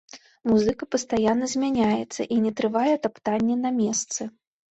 Музыка пастаянна змяняецца і не трывае таптанні на месцы.